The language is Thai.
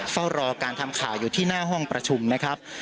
เฝ้ารอการทำข่าวอยู่ที่หน้าห้องประชุมนะครับ